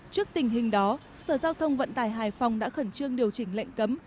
trước tình hình đó sở giao thông vận tải hải phòng đã khẩn trương điều chỉnh lệnh cấm